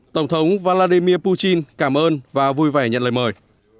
tổng thống vladimir putin cảm ơn và vui vẻ nhận lời mời